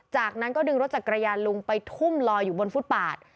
จากนั้นก็ดึงรถจักรยานลุงไปทุ่มลอยอยู่บนฟุตปาด